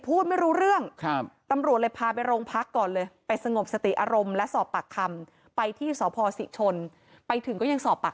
พูดไม่รู้เรื่องครับตำรวจเลยพาไปโรงพัก